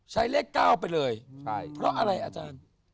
เลข๙ไปเลยเพราะอะไรอาจารย์